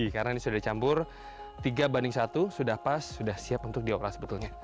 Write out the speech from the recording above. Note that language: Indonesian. karena ini sudah dicampur tiga banding satu sudah pas sudah siap untuk dioperasi betulnya